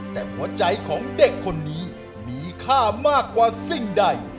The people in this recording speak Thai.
แต่หัวใจของเด็กคนนี้มีค่ามากกว่าสิ่งใด